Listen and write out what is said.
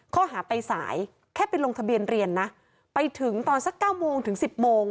ข้อหาไปสายแค่ไปลงทะเบียนเรียนนะไปถึงตอนสักเก้าโมงถึงสิบโมง